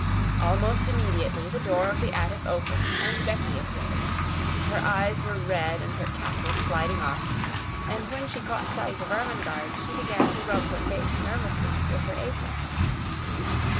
Almost immediately the door of the attic opened and Becky appeared. Her eyes were red and her cap was sliding off, and when she caught sight of Ermengarde she began to rub her face nervously with her apron.